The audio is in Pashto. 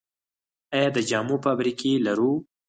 آیا د جامو فابریکې لرو؟